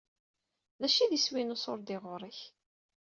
D acu i d iswi n uṣurdi ɣuṛ-k?